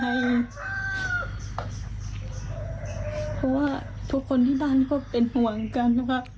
เพราะว่าทุกคนที่บ้านก็เป็นห่วงกันนะคะ